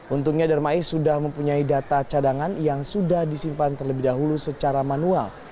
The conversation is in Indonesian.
untungnya darmais sudah mempunyai data cadangan yang sudah disimpan terlebih dahulu secara manual